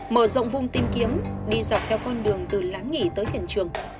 mở rộng vùng tìm kiếm đi dọc theo con đường từ lán nghỉ tới hiện trường